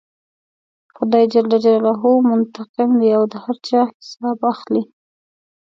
خدای جل جلاله منتقم دی او د هر چا حساب اخلي.